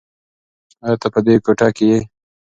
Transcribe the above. ایا ته په دې کوټه کې یې؟